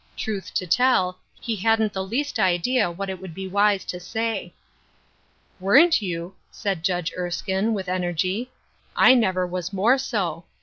Truth to tell, he hadn't the least idea what it would be wise to say. " Weren't you !" said Judge Erskine, with energ}'. " I never was more so.